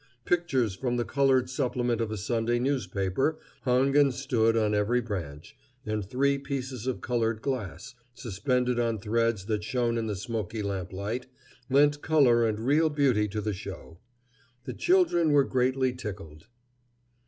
Pictures from the colored supplement of a Sunday newspaper hung and stood on every branch, and three pieces of colored glass, suspended on threads that shone in the smoky lamplight, lent color and real beauty to the show. The children were greatly tickled.